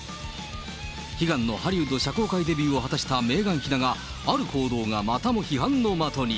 悲願のハリウッド社交界デビューを果たしたメーガン妃だが、ある報道がまたも批判の的に。